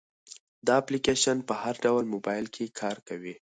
دا اپلیکیشن په هر ډول موبایل کې کار کوي.